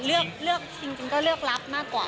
เลือกจริงก็เลือกรับมากกว่า